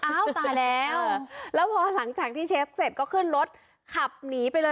ตายแล้วแล้วพอหลังจากที่เชฟเสร็จก็ขึ้นรถขับหนีไปเลย